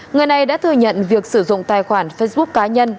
người này đã thừa nhận việc sử dụng tài khoản facebook cá nhân